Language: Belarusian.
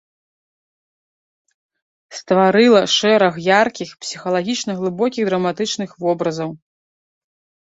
Стварыла шэраг яркіх, псіхалагічна глыбокіх драматычных вобразаў.